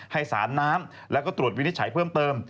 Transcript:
ให้สารน้ำแล้วก็ตรวจวินิจฉัยเพิ่มเติม